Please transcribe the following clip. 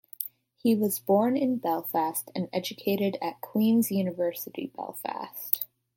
He was born in Belfast and educated at Queen's University Belfast.